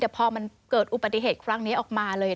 แต่พอมันเกิดอุบัติเหตุครั้งนี้ออกมาเลย